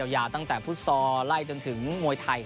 ยาวตั้งแต่ฟุตซอลไล่จนถึงมวยไทย